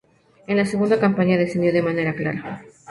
En la segunda campaña descendió de manera clara.